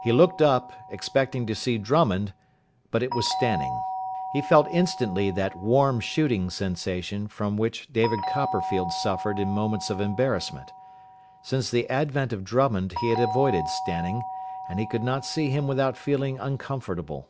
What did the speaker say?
He looked up, expecting to see Drummond, but it was Stanning. He felt instantly that "warm shooting" sensation from which David Copperfield suffered in moments of embarrassment. Since the advent of Drummond he had avoided Stanning, and he could not see him without feeling uncomfortable.